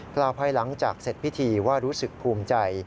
ภายหลังจากเสร็จพิธีว่ารู้สึกภูมิใจ